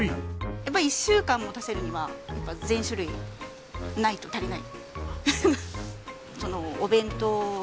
やっぱり１週間持たせるには全種類ないと足りない。